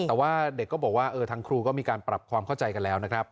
แต่ว่าเด็กก็บอกว่าทางครูก็มีการปรับความเข้าใจกันแล้วนะครับ